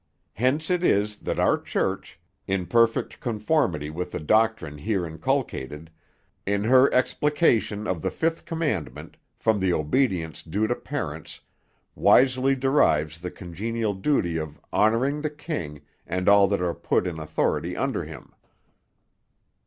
Hence it is, that our church, in perfect conformity with the doctrine here inculcated, in her explication of the fifth commandment, from the obedience due to parents, wisely derives the congenial duty of 'honouring the king, and all that are put in authority under him.'